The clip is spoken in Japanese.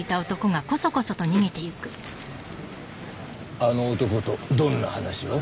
あの男とどんな話を？